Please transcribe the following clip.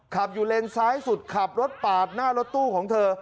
ขับอยู่เลนซ้ายสุดขับรถปาดหน้ารถตู้ของเธอ